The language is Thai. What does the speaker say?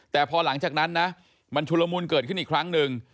แต่พอหลังจากนั้นนะมันชุลมุนเกิดขึ้นอีกครั้งหนึ่ง